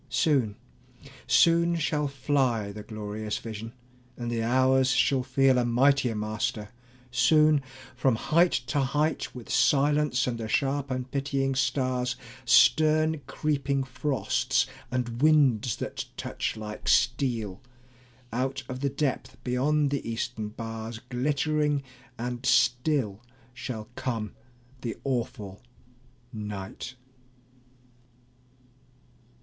Soon, soon shall fly The glorious vision, and the hours shall feel A mightier master; soon from height to height, With silence and the sharp unpitying stars, Stern creeping frosts, and winds that touch like steel, Out of the depth beyond the eastern bars, Glittering and still shall come the awful night.